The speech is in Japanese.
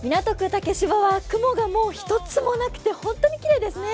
竹芝は雲がもう一つもなくて本当にきれいですね。